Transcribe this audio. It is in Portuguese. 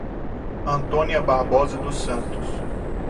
Antônia Barbosa dos Santos